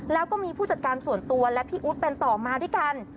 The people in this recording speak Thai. แล้วก็มีผู้จัดการส่วนตัวและพี่อุ๊ดเป็นต่อมาด้วยกัน